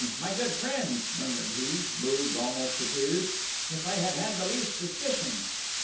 My good friend!" murmured he, moved almost to tears. "If I had had the least suspicion!..."